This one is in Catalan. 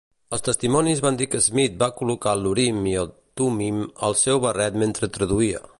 Els testimonis van dir que Smith va col·locar l'urim i el tummim al seu barret mentre traduïa.